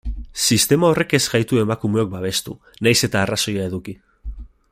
Sistema horrek ez gaitu emakumeok babestu, nahiz eta arrazoia eduki.